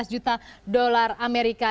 dan melissa sendiri mengalami penurunan